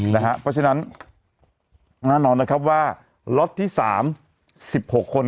เพราะฉะนั้นแน่นอนนะครับว่าล็อตที่๓๑๖คน